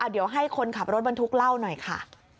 เดี๋ยวให้คนขับรถบรรทุกเล่าหน่อยค่ะ